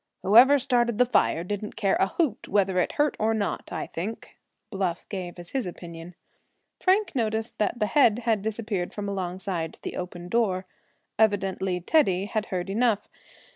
"Whoever started the fire didn't care a hoot whether it hurt or not, I think," Bluff gave as his opinion. Frank noticed that the head had disappeared from alongside the open door. Evidently Teddy had heard enough.